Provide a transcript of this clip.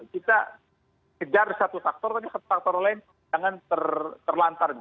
kita kejar satu faktor tapi faktor lain jangan terlantar